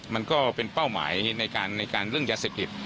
มันก็เป็นเป้าหมายในการเรื่องยาเสพติด